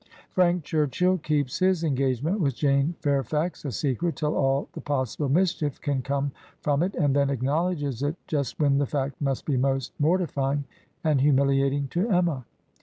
^ FranK'dhurchill keeps his engagement with Jane l^air fax a secret till all the possible mischief can come from it, and then acknowledges it just when the fact must be most mortifying and humiUating to Emma.